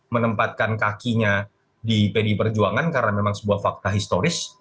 menempatkan kakinya di pdi perjuangan karena memang sebuah fakta historis